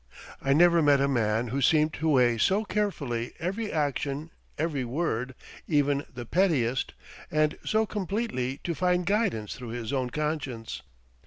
I never met a man who seemed to weigh so carefully every action, every word even the pettiest and so completely to find guidance through his own conscience.